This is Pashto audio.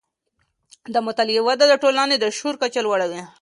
د مطالعې وده د ټولنې د شعور کچې لوړوي.